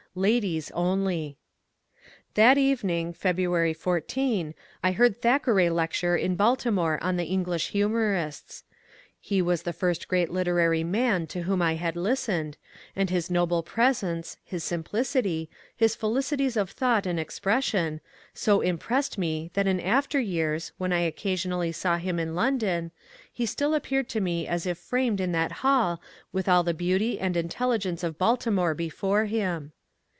Ladies only ! That evening (February 14) I heard Thackeray lecture in Baltimore on the English humourists. He was the first great literary man to whom I had listened, and his noble presence, his simplicity, his felicities of thought and expression, so im pressed me that in after years, when I occasionally saw him in London, he still appeared to me as if framed in that hall with all the beauty and intelligence of Baltimore before him.